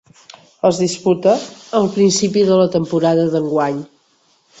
Es disputa al principi de la temporada d'enguany.